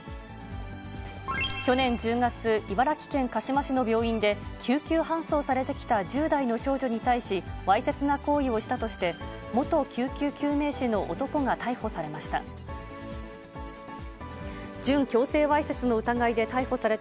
去年１０月、茨城県鹿嶋市の病院で、救急搬送されてきた１０代の少女に対し、わいせつな行為をしたとして、元救急救命士の男が逮捕されました。